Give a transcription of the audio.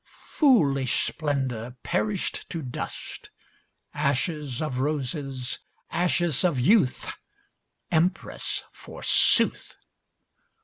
Foolish splendour, perished to dust. Ashes of roses, ashes of youth. Empress forsooth!